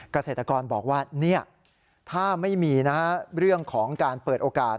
เกษตรกรบอกว่าถ้าไม่มีเรื่องของการเปิดโอกาส